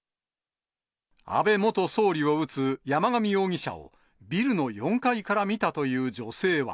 安倍元総理を撃つ山上容疑者をビルの４階から見たという女性は。